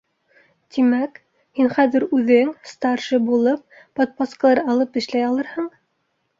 — Тимәк, һин хәҙер үҙең, старший булып, подпаскалар алып эшләй алырһың?